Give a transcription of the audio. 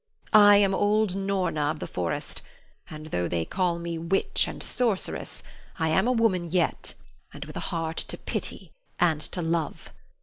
I am old Norna of the forest, and though they call me witch and sorceress, I am a woman yet, and with a heart to pity and to love.